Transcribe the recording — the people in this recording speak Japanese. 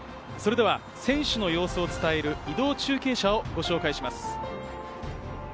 選手の様子を伝える移動中継車をご紹介します。